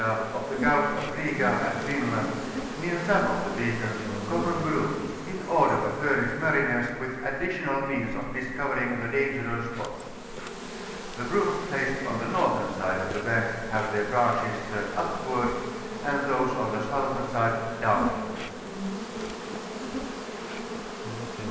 of the Gtdfs of Biga and Finland, near aome of the beacons, common brooms, in order to furnish mariners with additicmal means of cBscovering the dangerous spots. The brooms placed on tlie northern side of the banks have tl^ branches turned upward, and those on the southern side, downward.